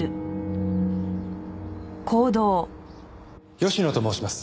吉野と申します。